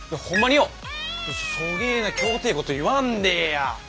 そげえなきょうていこと言わんでえや。